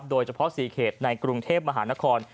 โดยเฉพาะ๔เขตในกรุงเทพมหานคร